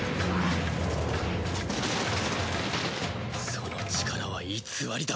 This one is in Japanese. その力は偽りだ！